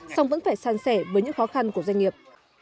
song vẫn phải san sẻ với những khó khăn của doanh nghiệp